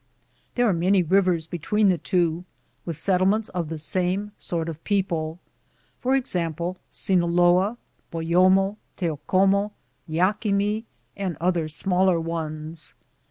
There ate many rivers between the two, with settlements of the same sort of people — for example, Sinoloa, Boyomo, Teo como, Yaquimi, and other smaller ones.